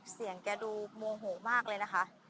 เสียงแกดูโมโหมากเลยนะคะ